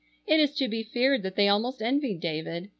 It is to be feared that they almost envied David.